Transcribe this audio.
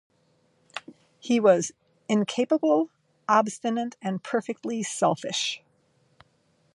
He was incapable, obstinate and perfectly selfish.